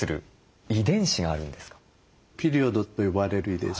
ピリオドと呼ばれる遺伝子